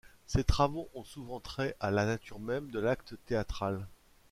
Ces travaux ont souvent trait à la nature même de l'acte théâtral.